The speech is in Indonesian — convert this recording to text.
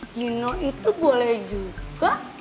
gino itu boleh juga